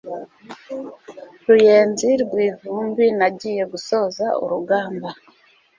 Ruyenzi rwivumbi nagiye gusoza urugamba